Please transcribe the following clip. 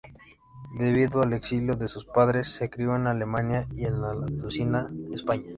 Debido al exilio de sus padres, se cría en Alemania y en Andalucía, España.